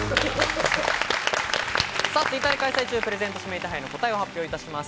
ツイッターで開催中、プレゼント指名手配の答えを発表いたします。